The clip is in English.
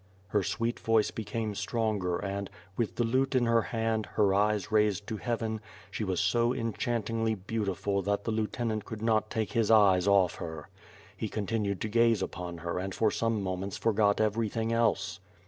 *' Her sweet voice became stronger and, with the lute in her hand, her eyes raised to heaven, she was so enchantingly beautiful that the lieutenant could not take his eyes off her. He continued to gaze upon her and for some moments for got everything else.